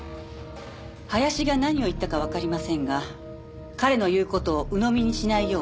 林が何を言ったかわかりませんが彼の言う事をうのみにしないようお願いします。